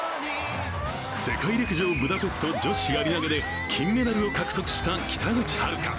世界陸上ブダペスト女子やり投で金メダルを獲得した北口榛花。